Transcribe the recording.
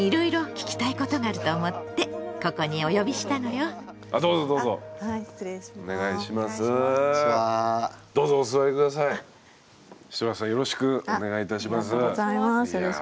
よろしくお願いします。